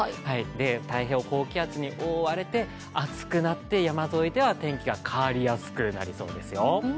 太平洋高気圧に覆われて暑くなって山沿いでは天気が変わりやすくなりそうですよ。